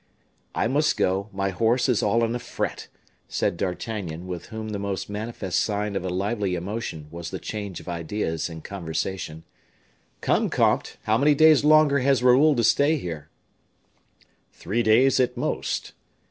"I must go; my horse is all in a fret," said D'Artagnan, with whom the most manifest sign of a lively emotion was the change of ideas in conversation. "Come, comte, how many days longer has Raoul to stay here?" "Three days at most."